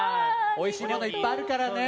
おいしいものいっぱいあるからね。